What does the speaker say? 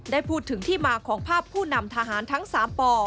ได้พูดถึงที่มาของภาพผู้นำทหารทั้ง๓ป